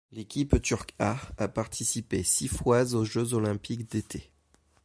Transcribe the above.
L’équipe turc A a participé six fois aux Jeux olympiques d'été.